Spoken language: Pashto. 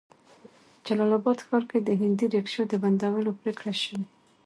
جلال آباد ښار کې د هندي ريکشو د بندولو پريکړه شوې